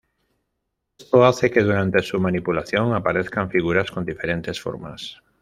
Esto hace que durante su manipulación aparezcan figuras con diferentes formas.